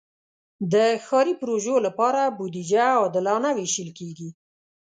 د ښاري پروژو لپاره بودیجه عادلانه ویشل کېږي.